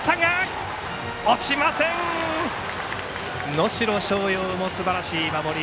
能代松陽も、すばらしい守り。